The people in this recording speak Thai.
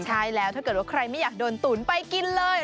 ใช่แล้วถ้าเกิดว่าใครไม่อยากโดนตุ๋นไปกินเลย